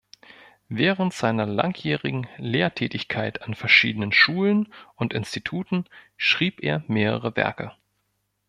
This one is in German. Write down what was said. Während seiner langjährigen Lehrtätigkeit an verschiedenen Schulen und Instituten schrieb er mehrere Werke.